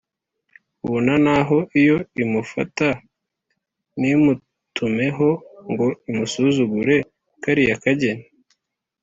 ubona nibura iyo imufata ntimwitumeho ngo imusuzugure kariya kageni!”